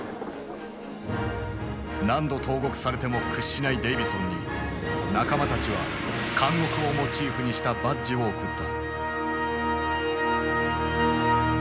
何度投獄されても屈しないデイヴィソンに仲間たちは監獄をモチーフにしたバッジを贈った。